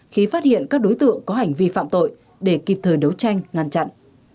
khi phát hiện các đối tượng có hành vi phạm tội để kịp thời đấu tranh ngăn chặn